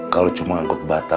kalau cuma angkut bata